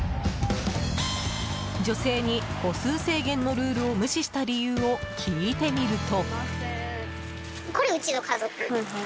女性に個数制限のルールを無視した理由を聞いてみると。